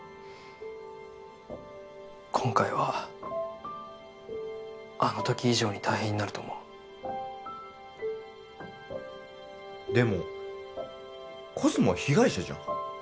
今回はあの時以上に大変になると思うでもコスモは被害者じゃん